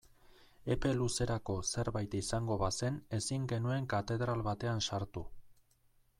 Epe luzerako zerbait izango bazen ezin genuen katedral batean sartu.